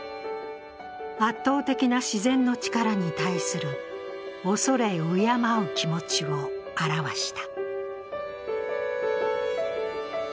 圧倒的な自然の力に対する恐れ敬う気持ちを表した。